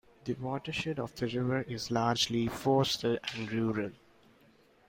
The watershed of the river is largely forested and rural.